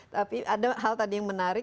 tapi ada hal tadi yang menarik